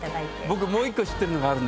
僕もう１個知ってるのがある。